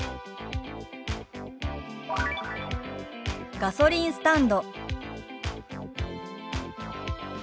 「ガソリンスタンド」。